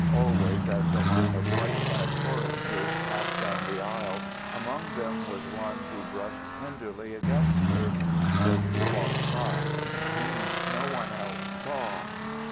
Always as the line of white clad choristers passed down the aisle, among them was one who brushed tenderly against her as he walked by, whom no one else saw.